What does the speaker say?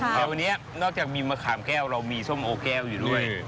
แต่วันนี้นอกจากมีมะขามแก้วเรามีส้มโอแก้วอยู่ด้วย